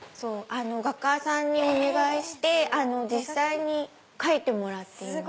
画家さんにお願いして実際に描いてもらっています。